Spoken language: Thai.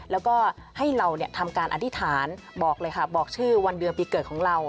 แล้วก็ให้เราทำการอธิษฐานบอกเลยค่ะบอกชื่อวันเดือนปีเกิดของเรา